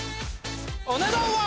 お値段は？